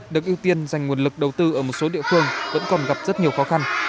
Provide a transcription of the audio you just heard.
được ưu tiên dành nguồn lực đầu tư ở một số địa phương vẫn còn gặp rất nhiều khó khăn